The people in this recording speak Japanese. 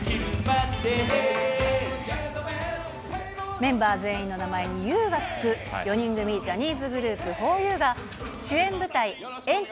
メンバー全員の名前にゆうが付く、４人組ジャニーズグループ、ふぉゆが主演舞台、エンタ！